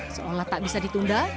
seolah tak bisa ditunda